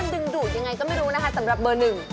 ดึงดูดยังไงก็ไม่รู้นะคะสำหรับเบอร์หนึ่ง